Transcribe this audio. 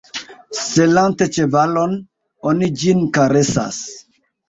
Selante ĉevalon, oni ĝin karesas.